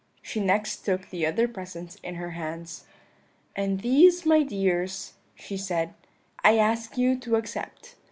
She next took the other presents in her hands: "'And these, my dears,' she said, 'I ask you to accept.